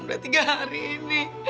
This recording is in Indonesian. udah tiga hari ini